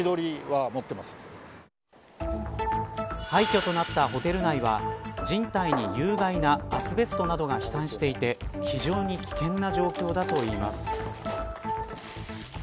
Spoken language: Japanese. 廃墟となったホテル内は人体に有害なアスベストなどが飛散していて非常に危険な状態だといいます。